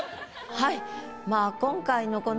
はい。